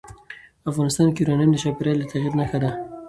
افغانستان کې یورانیم د چاپېریال د تغیر نښه ده.